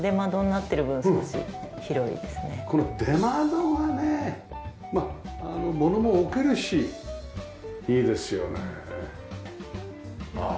この出窓がね物も置けるしいいですよねえ。